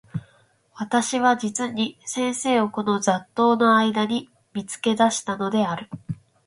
私は実に先生をこの雑沓（ざっとう）の間（あいだ）に見付け出したのである。